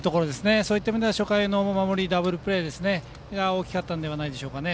そういった意味では初回の守りダブルプレーが大きかったのではないでしょうか。